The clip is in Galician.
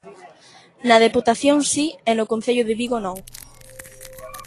Na deputación si, e no Concello de Vigo non.